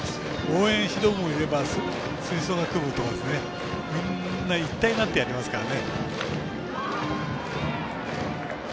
応援する人もいれば吹奏楽部とかみんな一体になってやりますから。